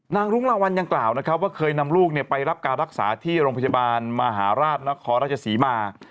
รุ้งลาวัลยังกล่าวนะครับว่าเคยนำลูกไปรับการรักษาที่โรงพยาบาลมหาราชนครราชศรีมา